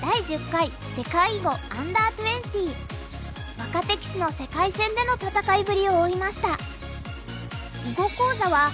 若手棋士の世界戦での戦いぶりを追いました。